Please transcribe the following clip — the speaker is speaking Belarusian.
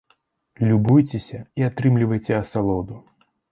Любуйцеся і атрымлівайце асалоду!